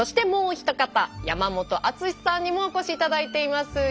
もうひと方山本篤さんにもお越しいただいています。